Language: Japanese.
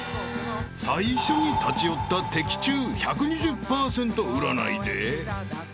［最初に立ち寄った的中１２０％占いで］